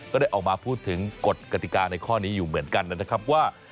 ก็ได้ออกมาพูดถึงกฎกติกาในข้อนี้อยู่เหมือนกันนะครับว่า